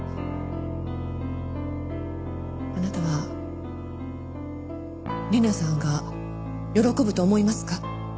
あなたは理奈さんが喜ぶと思いますか？